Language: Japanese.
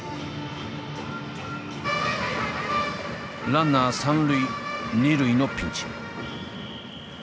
ランナー三塁二塁のピンチ。